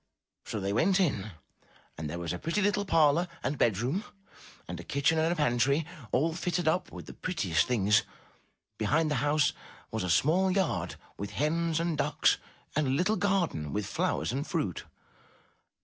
So they went in and there was a pretty little parlor and bed room, and a kitchen and a pantry, all fitted up with the prettiest things. Behind the house was a small yard, with hens and ducks, and a little garden, with flowers and fruit.